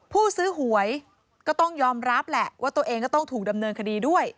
ผู้ซื้อหวยก็ต้องยอมรับแหละว่าตัวเองก็ต้องถูกดำเนินคดีด้วย